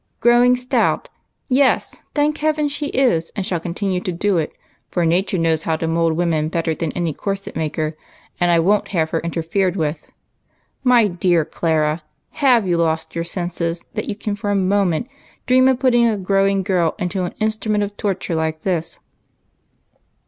"Growing stout! Yes, thank Heave]i, she is, and shall continue to do it, for Nature knows how to mould a woman better than any corset maker, and I won't have her interfered with. My dear Clara, have you lost your senses that you can for a moment dream of ' putting a growing girl into an instrument of torture like this